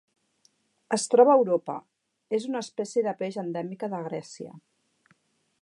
Es troba a Europa: és una espècie de peix endèmica de Grècia.